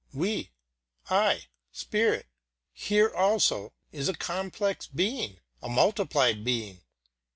We, I, spirit here also isa complex being, a multiplied being.